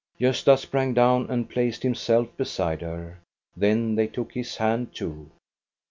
Gosta sprang down and placed himself beside her. Then they took his hand too.